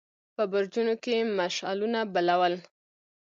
په برجونو کې يې مشعلونه بل ول.